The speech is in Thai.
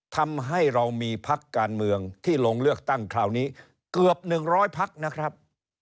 ทำให้เรามีพักการเมืองที่ลงเลือกตั้งคราวนี้เกือบ๑๐๐พักนะครับ